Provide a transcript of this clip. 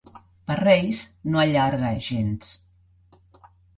Per Reis, no allarga gens.